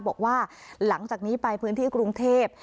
บอกว่าหลังจากนี้ไปพื้นที่กรุงเทพ